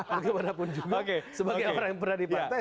bagaimanapun juga sebagai orang yang berpengaruh